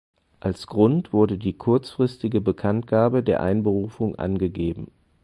Als Grund wurde die Kurzfristige Bekanntgabe der Einberufung angegeben.